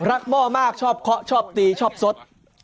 หม้อมากชอบเคาะชอบตีชอบสด